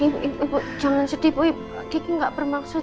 ibu ibu ibu jangan sedih bu kiki nggak bermaksud